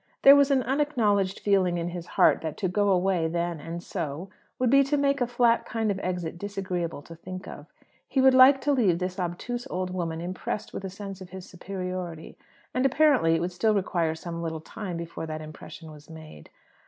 There was an unacknowledged feeling in his heart that, to go away then and so, would be to make a flat kind of exit disagreeable to think of. He would like to leave this obtuse old woman impressed with a sense of his superiority; and apparently it would still require some little time before that impression was made.